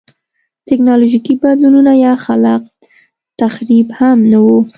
ټکنالوژیکي بدلونونه یا خلاق تخریب هم نه و.